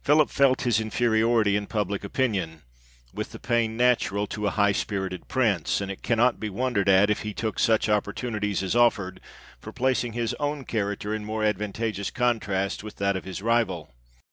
Philip felt his infe riority in public opinion, with the pain natural to a high spirited prince; and it cannot be wondered at if he took such opportimities as offered, for placing his own character in more advantageous contrast with that of his rival.